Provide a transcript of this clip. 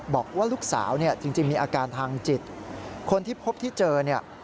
บอกว่าลูกสาวเนี่ยจริงมีอาการทางจิตคนที่พบที่เจอเนี่ย